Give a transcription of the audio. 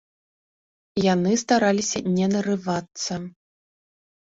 Яны стараліся не нарывацца.